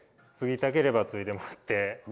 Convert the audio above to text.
継ぎたければ継いでもらって。